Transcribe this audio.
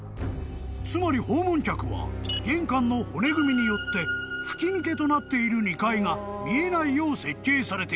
［つまり訪問客は玄関の骨組みによって吹き抜けとなっている２階が見えないよう設計されている］